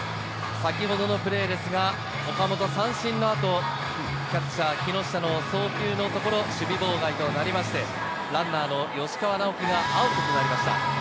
先ほどのプレーですが、岡本、三振の後、キャッチャー・木下の送球のところ、守備妨害となりまして、ランナーの吉川尚輝がアウトとなりました。